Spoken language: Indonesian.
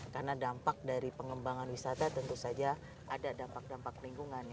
karena dampak dari pengembangan wisata tentu saja ada dampak dampak lingkungan